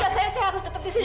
saya harus tetap disini